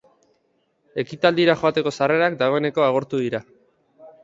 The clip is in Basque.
Ekitaldira joateko sarrerak dagoeneko agortu dira.